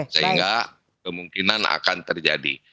sehingga kemungkinan akan terjadi